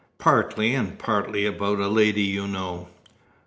"Partly, and partly about a lady you know."